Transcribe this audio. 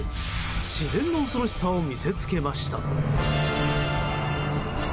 自然の恐ろしさを見せつけました。